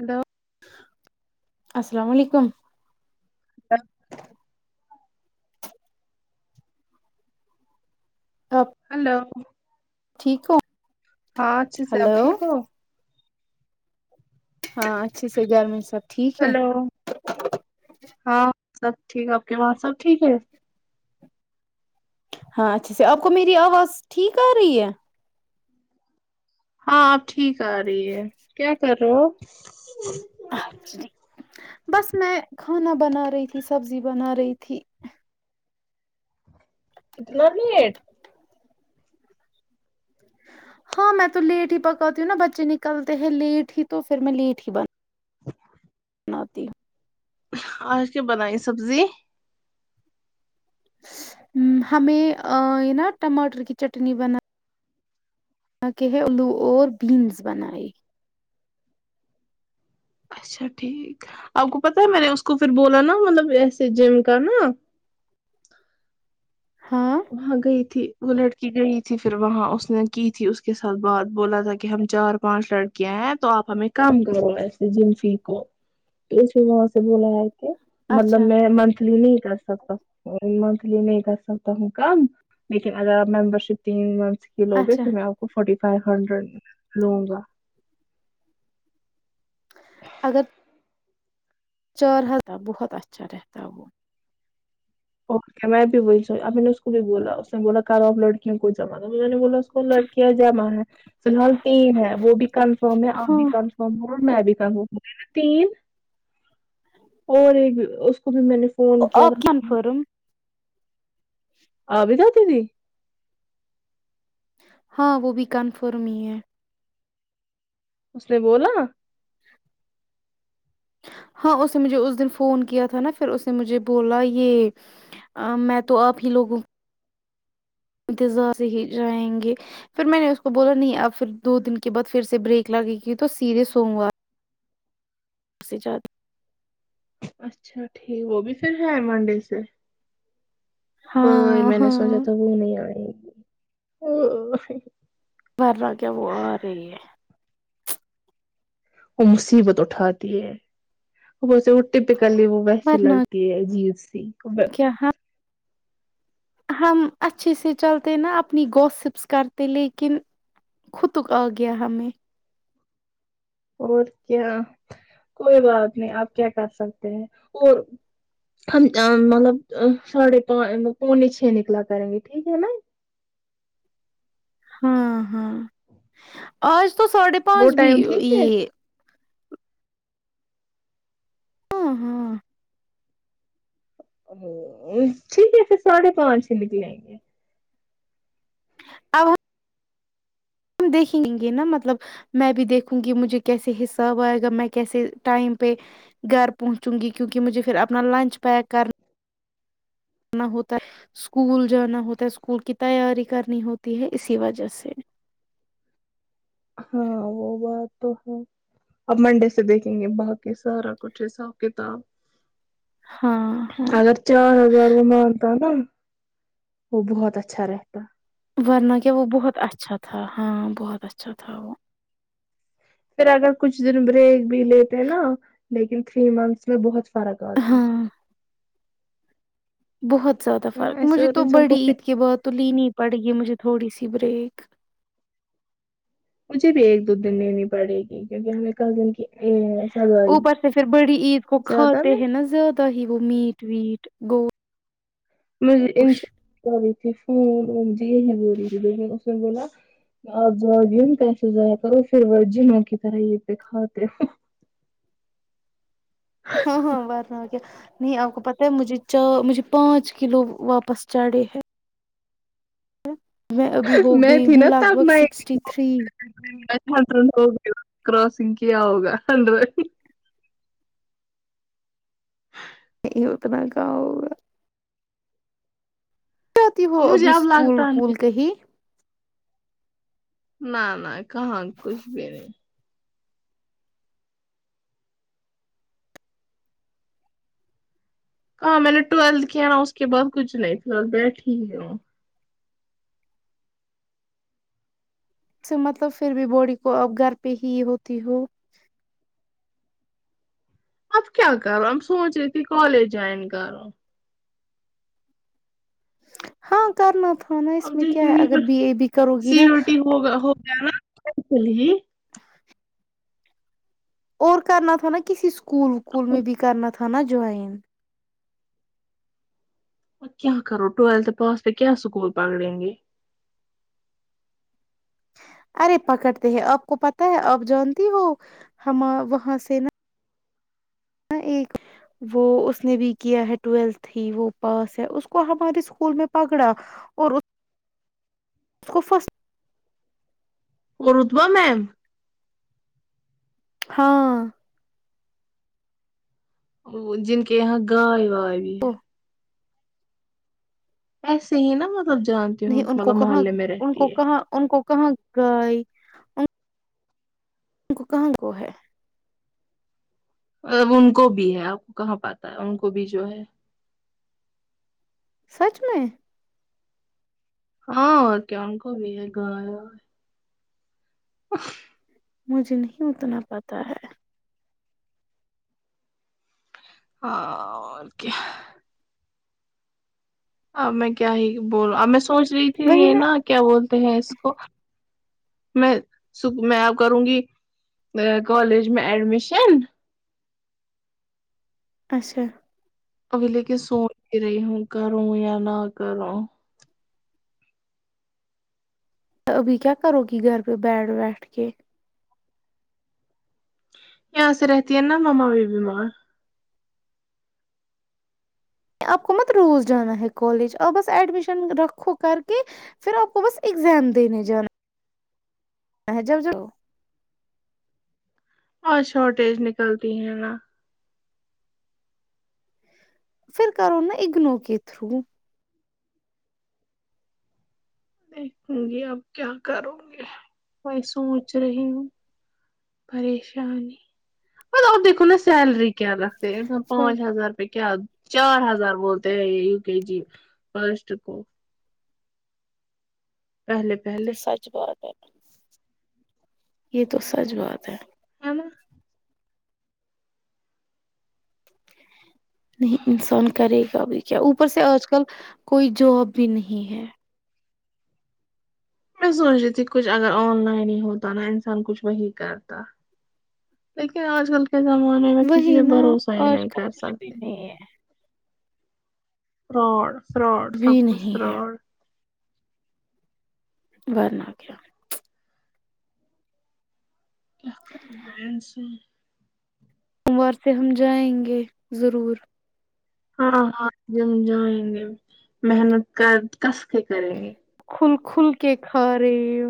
Hello السلام علیکم ہ آپ ہلو ٹھیک ہو ہاں اچھا صاحب ہلو ٹھیک ہو ہاں اچھی سے گرمی سب ٹھیک ہے ہلو ہاں سب ٹھیک آپ کے وہاں سب ٹھیک ہے ہاں اچھا سے آپ کو میری آواز ٹھیک آ رہی ہے ہاں آپ ٹھیک آ رہی ہے کیا کر رہے ہو بس میں کھانا بنا رہی تھی سبزی بنا رہی تھی اتنا رٹ ہاں میں تو لیٹ ہی پکڑاتی ہوں نا بچے نکلتے ہیں لیٹ ہی تو پھر میں لیٹ ہی بنا ہ بنتی آج کی بنائی سبزی ہمیں یہ نا ٹماٹر کی چٹنی بن کہ ہے الو اور بینس بنائے اچھا ٹھیک آپ کو پتا ہے میں نے اس کو پھر بولا نا مطلب ایسے جم کا نا ہاں وہاں گئی تھی وہ لڑکی گئی تھی پھر وہاں اس نے کی تھی اس کے ساتھ بات بولا تھا کہ ہم چار پانچ لڑکیاں ہیں تو آپ ہمیں کام کرو ای جنفی کو تو اس وہاں سے بولا ہے مطلب اچھا میں منتھلی نہیں تو مت نہیں س ہوں کم لیکن اگر ممبر شپ ت کلوے اچھا پھر میں آپ کو فورٹی فائیو ہنڈریڈ لوں گا اگر چارہ تھاا بہت اچھا رہتا وہ اور میں بھی بول اب نے اس کو بھی بولا اس نے بولا کرو آپ لڑکیوں کوئی جما بلاو اس کو لڑکیاں جمع ہے فی الحال تین ہے وہ بھی کنفرم ہے آپ بھی ہاں کنفرم ہے اور میں بھی تین اور ایک اس کو بھی میں نے فون کیا تھا آپ کنفرم آب د دی نہیں ہاں وہ بھی کنفرم ہی ہے اس نے بولا ہاں اس نے مجھے اس دن فون کیا تھا نا پھر اس نے مجھے بولا یہ میں تو آپ ہی لوگوں انتظار سے ہی جائیں گے پھر میں نے اس کو بولا نہیں اب پھر دو دن کے بعد پھر سے بریک لگی کی تو سیدھے سوموار سے زیادہ اچھا ٹھیک وہ بھی پھر ہے منڈے سے وہ ہاں میں نے سوچا ہاں تھا وہ نہیں آئے گی او [unintelligible] ورنہ کیا وہ آ رہی ہے وہ مصیبت اٹھاتی ہے وہے ٹپیکلی وہ ویسی ورنہ لگتی ہے جیز خی [inaudible] کیا ہم ہم اچھی طرح چلتے اور اپنا ہوم ورک کرتے لیکن ہمیں خود اس کا پتہ چلا۔ اور اگر کوئی مسئلہ نہ ہو تو آپ کیا کر سکتے ہیں؟ وہ وہ وہ ٹائم ٹھیک ہے [unintelligible] [unintelligible] ٹھیک ہے پھر سادہ پانچ نکلیں گے۔ [unintelligible] ہم دیکھیں گے، یعنی میں یہ بھی دیکھوں گا کہ مجھے اکاؤنٹ کیسے ملے گا، میں وقت پر گھر کیسے پہنچوں گا کیونکہ مجھے اپنا لنچ پیک کرنا ہے۔ آئی ایس آئی کی وجہ سے سکول جا کر سکول کی تیاری کرنی پڑتی ہے۔ [unintelligible] ہم پیر سے تاریخ کی پوری کتاب دیکھیں ہاں گے۔ ہاں [unintelligible] وہ بہت اچھا ہوتا ورنہ کیا، وہ بہت اچھا، بہت اچھا تھا۔ [unintelligible] [unintelligible] لیکن تین ماہ میں بہت کچھ مختلف ہاں ہے نا ایسے اور انسان بڑی کو پھر عید کے بعد لینا پڑے گا، تھوڑی دیر بعد لینا پڑے گا۔ [unintelligible] مجھے بھی ایک دو دن لینی پڑے گی کیوکہ ہمیں کال دن گی۔۔ اوپر سے پھر بڑی عید کو زیادہ کھاتے میں ہیں نہ زیادہ ہی وہ میٹ ویٹ۔ [unintelligible] [unintelligible] [unintelligible] [unintelligible] بولا گوشت کہ اپ زیادہ ہی پیسے خرچ کرتے ہو پھر جنوں کی طرح کھاتے ہو ہاں ہاں ورنہ کیا نہیں آپ کو پتہ ہے مجھے چا مجھے پانچ کلو واپس جا رہے ہیں میں ابھی ہو میں گئی تھی ہوں نا لگ تب بھگ میں سیکثٹی تھری کراسنگ کیا ہوگا ہنڈراڈ [unintelligible] نہیں اتنا کہاں ہوگا۔ جاتی ہو مجھے ابھی اب سکول لگتا وکول نہیں کہی [unintelligible] کہاں کچھ بھی نہیں ہاں میں نے ٹویلتھ کیا نا اس کے بعد کچھ نہیں فیلحال بیٹھی ہی ہوں سے مطلب پھر بھی باڈی کو اب گھر پہ ہی ہوتی ہو اب کیا کرو اب سوچ رہے تھی کالج جوائن کرو ہاں کرنا تھا نا اس اب میں کیا دیکھیں ہے گے اگر پھر بی اے بی کرو گی نا جی [unintelligible] [inaudible] اور کرنا تھا نا کسی سکو کول کول میں بھی کرنا تھناجائین ا کیا کرو ٹویلتھ پاس پہ کیا اسکول پکڑیں گے ارے پکڑتے ہیں آپ کو پتہ ہے آپ جانتی وہ ہم وہاں سے نا ایک وہ اس نے بھی کیا ہے ٹویل ہی وہ پاس ہے اس کو ہمارے اسکول میں پکڑا اور اس کو فسٹ اور رتبہ میم ہاں جن کے یہاں گائے واے بھی ہے تو ایسے ہی نا مہ نہیں ان کو کہاں ان کو ہے کہاں ان کو کہاں گائے ان کو کہاں کو ہے اب ان کو بھی ہے آپ کو کہاں پاتا ہے ان کو بھی جو ہے سچ میں ہاں اور کیا ان کو بھی ہے گ ا [inaudible] [unintelligible] مجھے نہیں اتنا پتا ہے ہک ا میں کیا ہی بول میں سوچ رہی تھی یہ نا کیا بولتے ہیں اس کو میں صب میں کروں گی کالج میں ایڈمیشن اچھا ابھی لے کے سوچ ہی رہی ہوں کروں یا نہ کروں ابھی کیا کرو گی گھر پہ بیٹھ بیٹھ کے یہاں سے رہتی ہے نا مما بھی بیمار آپ کو مت روز جانا ہے کالج اور بس ایڈمیشن رکھو کر کے پھر آپ کو بس اگزام دینے جانا جب ج اور شارٹیج نکلتی ہیں نا پھر کرو نا اگنو کے تھرو دیکھوں گی اب کیا کروں گی میں سوچ رہی ہوں پریشانی م اب دیکھو نا سیلری کیا رکھتے انسان پانچ ہزار روپ کیا چار ہزار بولتے ہیں یہ یو کے جی فرسٹ کو پہلے وہ پہلے تو سچ بہت ہے یہ تو سچ بات ہے ہے نا نہیں انسان کرے گا ابھی کیا اوپر سے آج کل کوئی جاب بھی نہیں ہے میں سوچ رہی تھی کچھ اگر آن لائن ہی ہوتا نا انسان کچھ وہی کرتا لیکن آج کل کے زمانے میں کسی وہی پ نا بھروسہ ہی آج نہیں کل کر کچھ بھی سکتے نہیں رڑ فراڈ ہے سب بھی کچھ نہیں ہے فراڈ ورنہ کیا کیا کرن سو سوموار سے ہم جائیں گے ضرور ہاں ہاں جم جائیں گے محنت کر کس کے کریں گے کھل کھل کے کھاارے ہ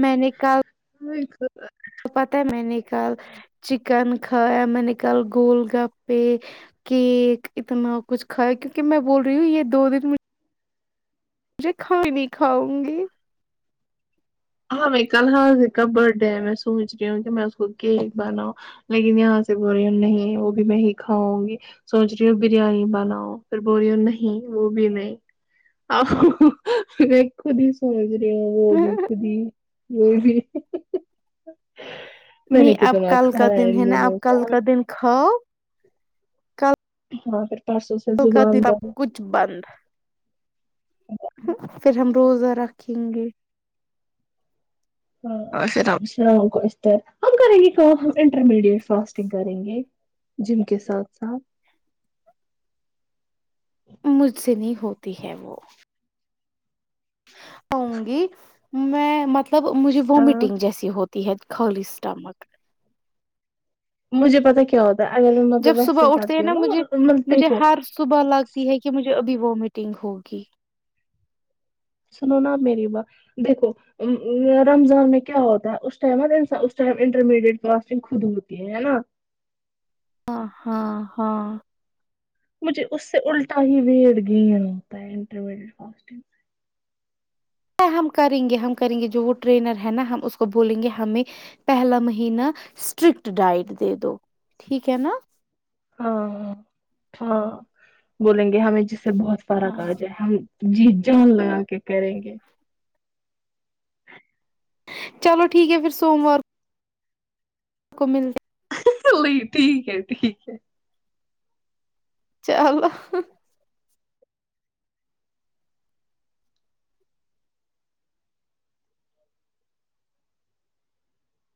میں نے کہ [inaudible] پت ہے میں نے کل چکن کھایا میں نے کل گول گپے کیک اتنا کچھ کھایا کیونکہ میں بول رہی ہوں یہ دو دن میں مجھے کھائی نہیں کھاؤں گی ہاں میں کل حضر کا برھ ڈے ہے میں سوچ رہی ہوں کہ میں اس کو کیک بناؤ لیکن یہاں سے بوریون نہیں ہے وہ بھی میں ہی کھاؤں گی سوچ رہی ہوں بریانی بناؤ پھر بوری نہیں وہ بھی نہیں خود ہی سو ہوگی یہ بھی میں نہیں نے آپ کتنا کل کا کھایا دن ہے ان نا دنوں آپ سے کل کا دن کھاؤ کم ہاں پھر پرسوں سے ل کا دن زبان اب بند کچھ بند پھر ہم روزہ رکھیں گے ل اللام ہم کریں گے کام ہم انٹرمیڈیٹ فاسٹنگ کریں گے جم کے ساتھ ساتھ مجھ سے نہیں ہوتی ہے وہ ا گی [inaudible] میں مطلب مجھے ہاں وامٹنگ جیسی ہوتی تیحت خلیی اسٹمک مجھے پتا کیا ہوتا ہے اگر میں جب مطلب ویسے صبح اٹھتے ہیں کرتی ہوں نا مجھے مطلب مجھے دیکھو ہر صبح لگتی ہے کہ مجھے ابھی وامٹنگ ہوگی دیکو رمضان میں کیا ہوتا ہے اس ٹائم ہے ان اس ٹائم انٹرمیڈیٹ فاسٹنگ خود ہوتی ہے نا ہاں ہاں ہاں مجھے اس سے الٹا ہی ویٹ گین ہوتا ہے انٹرمیڈیٹ فاسٹنگ سے ہم کریں گے ہم کریں گے جو وہ ٹرینر ہے نا ہم اس کو بولیں گے ہمیں پہلا مہینہ اسٹرکٹ ڈائٹ دے دو ٹھیک ہے نا سے۔ ہاں ہاں بولیں گے ہمیں جس سے بہت فارا ہاں کاج ہے ہم جی جان لگا کے کریں گے چلو ٹھیک ہے پھر سووموار کو ملتا لی ٹھیک ہے ٹھیک ہے چلو